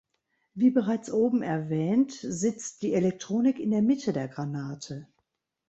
Wie bereits oben erwähnt sitzt die Elektronik in der Mitte der Granate.